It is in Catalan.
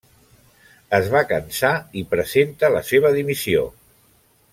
Es va cansar i presenta la seva dimissió.